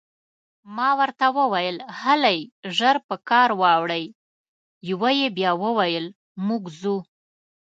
ما ورته وویل: هلئ، ژر په کار واوړئ، یوه یې بیا وویل: موږ ځو.